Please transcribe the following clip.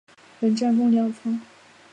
本站共两层。